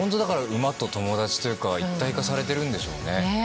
馬と友達というか一体化されているんでしょうね。